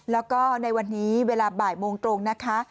แล้วก็ในวันนี้เวลาบ่ายโมงตรงนะคะ